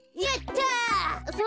やった！